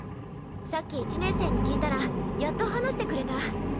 さっき１年生に聞いたらやっと話してくれた。